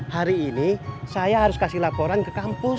hari ini saya harus kasih laporan ke kampus